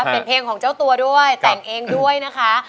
เป็นเพลงของเจ้าตัวด้วยแต่งเองด้วยนะคะ